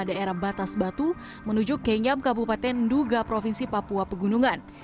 daerah batas batu menuju kenyam kabupaten nduga provinsi papua pegunungan